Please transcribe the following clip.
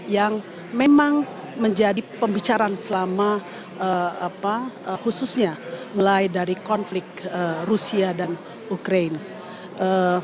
yang memang menjadi pembicaraan selama khususnya mulai dari konflik rusia dan ukraine